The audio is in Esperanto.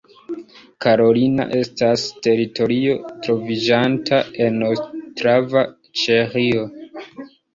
Karolina estas teritorio troviĝanta en Ostrava, Ĉeĥio.